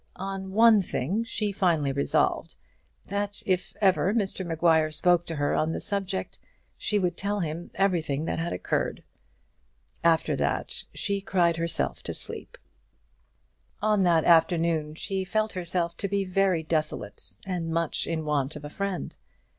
On one thing she finally resolved, that if ever Mr Maguire spoke to her on the subject, she would tell him everything that had occurred. After that she cried herself to sleep. On that afternoon she felt herself to be very desolate and much in want of a friend.